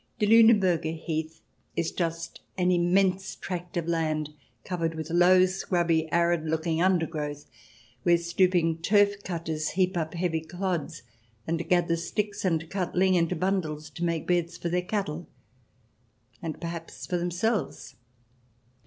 The Liineburger Heath is just an immense tract of land covered with low, scrubby, arid looking under growth, where stooping turf cutters heap up heavy clods and gather sticks and cut the ling into bundles to make beds for their cattle and perhaps for them selves.